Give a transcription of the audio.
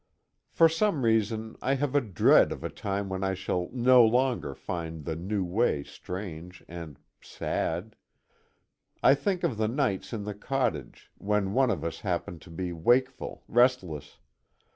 For some reason, I have a dread of a time when I shall no longer find the new way strange and sad. I think of the nights in the cottage, when one of us happened to be wakeful, restless.